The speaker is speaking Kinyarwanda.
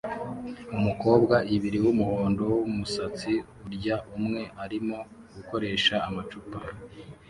Umukobwa ibiri wumuhondo wumusatsi urya umwe arimo gukoresha amacupa